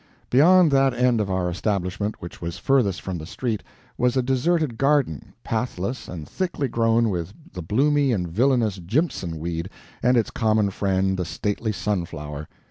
Beyond that end of our establishment which was furthest from the street, was a deserted garden, pathless, and thickly grown with the bloomy and villainous "jimpson" weed and its common friend the stately sunflower.